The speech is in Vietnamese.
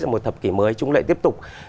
một thập kỷ mới chúng lại tiếp tục